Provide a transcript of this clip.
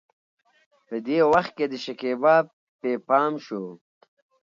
په دې وخت کې د شکيبا پې پام شو.